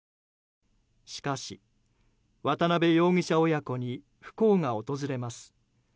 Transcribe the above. しかし、渡邊容疑者親子に不幸が訪れます。